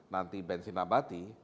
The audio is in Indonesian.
nanti bensin abadi